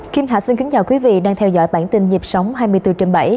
kim thạch xin kính chào quý vị đang theo dõi bản tin nhịp sống hai mươi bốn trên bảy